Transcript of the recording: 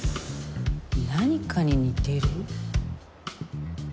何かに似てる？